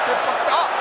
あっ！